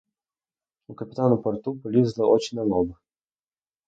У капітана порту полізли очі на лоб.